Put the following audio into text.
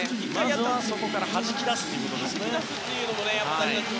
まずは、そこからはじき出すということですね。